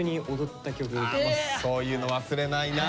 もうそういうの忘れないな。